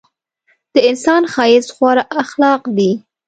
د انسان ښایست غوره اخلاق دي.